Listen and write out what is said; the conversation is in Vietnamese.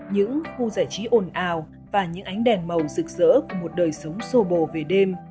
những khu giải trí ồn ào và những ánh đèn màu rực rỡ của một đời sống sô bồ về đêm